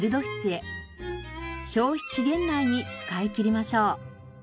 消費期限内に使いきりましょう。